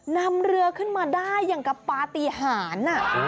นำเรือขึ้นมาได้อย่างกับปาฏิหาร